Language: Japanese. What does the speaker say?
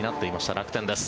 楽天です。